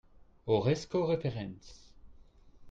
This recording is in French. Horresco referens